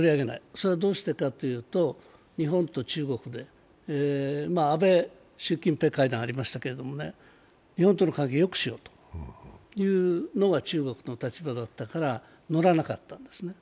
それはどうしてかというと、日本と中国で安倍・習近平会談ありましたけれどもね、日本との関係をよくしようというのが中国の立場だったから乗らなかったんですね。